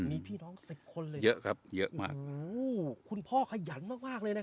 มีพี่น้องสิบคนเลยเยอะครับเยอะมากคุณพ่อขยันมากมากเลยนะคะ